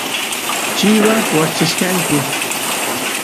chivas wachachkanku